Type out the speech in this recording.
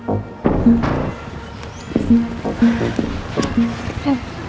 oh udah disini